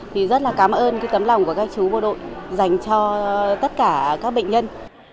thì rất là cảm ơn tấm lòng của các chú bộ đội dành cho tất cả các bệnh nhân